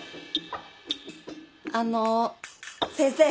あの先生。